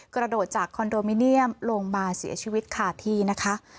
กระโดดจากคอนโดมิเนียมลงมาเสียชีวิตขาดที่นะคะ